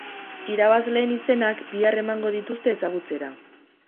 Irabazleen izenak bihar emango dituzte ezagutzera.